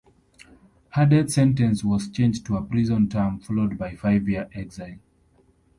Her death sentence was changed to a prison term, followed by five-year exile.